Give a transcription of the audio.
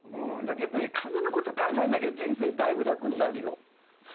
やっぱり金のこと考えなきゃ人生だいぶ楽になるよ。